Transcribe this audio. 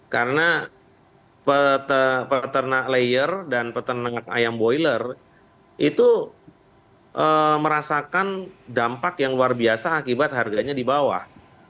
karena peternak layer dan peternak ayam boiler itu merasakan dampak yang luar biasa akibat harganya di bawah